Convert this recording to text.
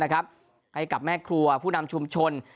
ให้กับแม่ครัวผู้นำชุมชน